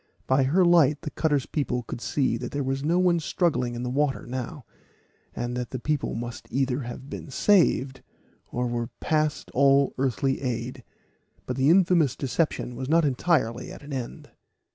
By her light the cutter's people could see that there was no one struggling in the water now, and that the people must either have been saved, or were past all earthly aid; but the infamous deception was not entirely at an end.